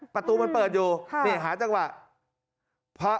ประตูมันเปิดอยู่หาจักรบะ